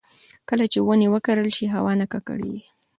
کله چې ونې وکرل شي، هوا نه ککړېږي.